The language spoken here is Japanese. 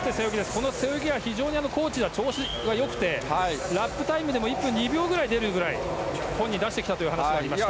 この背泳ぎは非常に高地では調子が良くてラップタイムでも１分２秒ぐらい出るぐらい本人出してきたという話がありました。